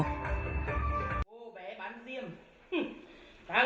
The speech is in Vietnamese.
cô bé bán xiêm